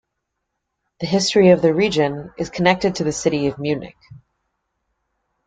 The history of the region is connected to the city of Munich.